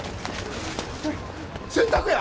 洗濯や！